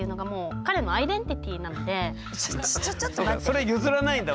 それ譲らないんだ。